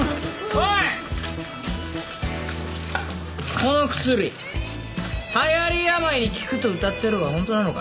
この薬はやり病に効くとうたってるがほんとなのか？